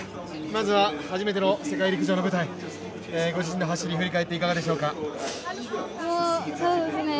まずは初めての世界陸上の舞台ご自身の走り、振り返ってみていかがでしょうか？